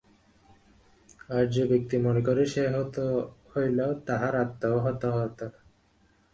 আর যে-ব্যক্তি মনে করে, সে হত হইল, তাহারও আত্মা হত হন না।